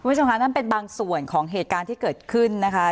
คุณผู้ชมค่ะนั่นเป็นบางส่วนของเหตุการณ์ที่เกิดขึ้นนะคะ